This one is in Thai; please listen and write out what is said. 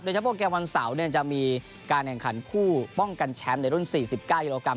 โดยเฉพาะเกมวันเสาร์เนี่ยจะมีการแห่งขันผู้ป้องกันแชมป์ในรุ่น๔๙กิโลกรัม